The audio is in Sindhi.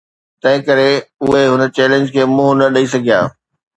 تنهن ڪري اهي هن چئلينج کي منهن نه ڏئي سگهيا.